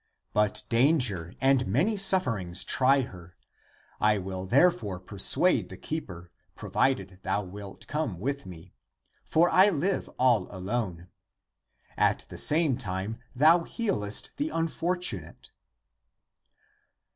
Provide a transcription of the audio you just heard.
But danger and many sufferings try her. I will therefore persuade the keeper, provided thou wilt come with me. For I live all alone. At the same time thou healest the unfortunate."